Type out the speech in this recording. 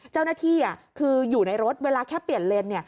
เจ้าหน้าที่คืออยู่ในรถเวลาแค่เปลี่ยนเลน